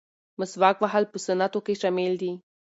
مسواک وهل په سنتو کې شامل دي.